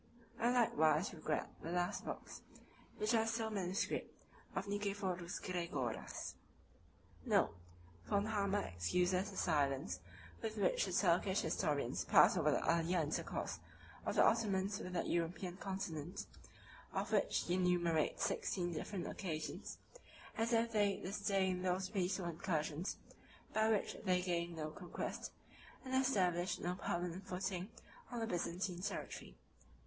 I likewise regret the last books, which are still manuscript, of Nicephorus Gregoras. * Note: Von Hammer excuses the silence with which the Turkish historians pass over the earlier intercourse of the Ottomans with the European continent, of which he enumerates sixteen different occasions, as if they disdained those peaceful incursions by which they gained no conquest, and established no permanent footing on the Byzantine territory.